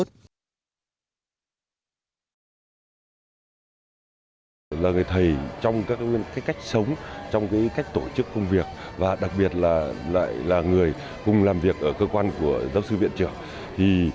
thầy trần ngọc quế là người thầy trong các cách sống trong cách tổ chức công việc và đặc biệt là người cùng làm việc ở cơ quan của giáo sư viện trưởng